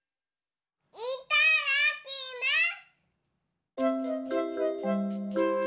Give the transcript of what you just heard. いただきます！